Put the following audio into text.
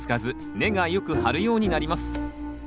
根がよく張るようになります。